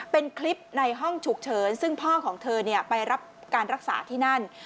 เป็นคลิปในห้องฉุกเฉินซึ่งพ่อของเธอไปรับการรักษาที่นั่น